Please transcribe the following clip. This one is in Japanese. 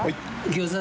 ギョーザ。